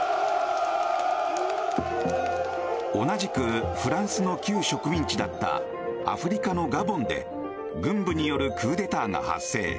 同じくフランスの旧植民地だったアフリカのガボンで軍部によるクーデターが発生。